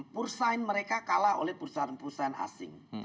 pur sign mereka kalah oleh pur sign pur sign asing